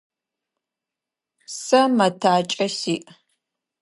Сэ мэтакӏэ сиӏ.